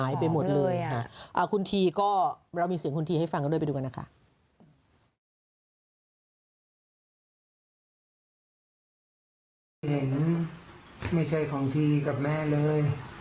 อย่าให้เห็นไม่ใช่ของทีกับแม่เลย